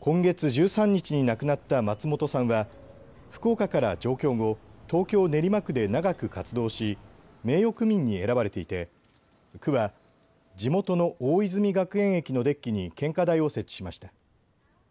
今月１３日に亡くなった松本さんは福岡から上京後、東京練馬区で長く活動し名誉区民に選ばれていて、区は地元の大泉学園駅のデッキに献花台を設置しました。